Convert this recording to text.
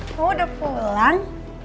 kamu udah pulang